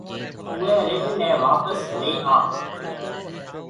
اُوئي رڍ نَي واپس ليَ آ۔